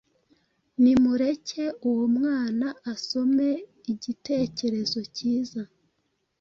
Nimureke uwo mwana asome igitekerezo cyiza